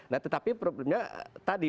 nah tetapi problemnya tadi